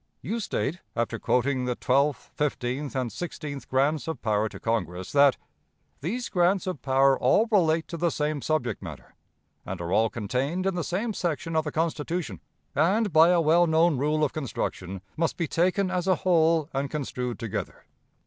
"You state, after quoting the twelfth, fifteenth, and sixteenth grants of power to Congress, that 'these grants of power all relate to the same subject matter, and are all contained in the same section of the Constitution, and, by a well known rule of construction, must be taken as a whole and construed together.'